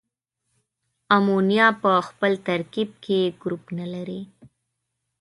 امونیا په خپل ترکیب کې ګروپ نلري.